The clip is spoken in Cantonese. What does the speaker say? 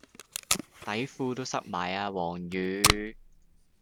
底褲都濕埋啊黃雨